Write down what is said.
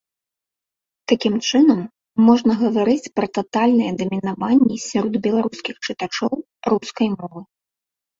Такім чынам, можна гаварыць пра татальнае дамінаванне сярод беларускіх чытачоў рускай мовы.